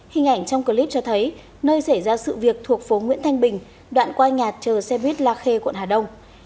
hình ảnh trong clip cho thấy nơi xảy ra sự việc thuộc phố nguyễn thanh bình đoạn qua nhạt chờ xe buýt la khê quận hà đông